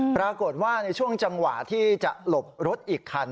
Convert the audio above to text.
ปรากฏว่าในช่วงจังหวะที่จะหลบรถอีกคัน